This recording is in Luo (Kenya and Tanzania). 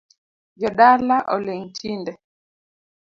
Jodala oling’ tinde